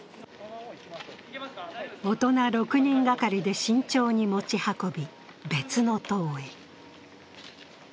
大人６人がかりで慎重に持ち運び、別の棟へ。